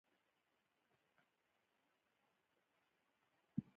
د کروندګرو ټولنې د تجربو تبادله مهمه ده.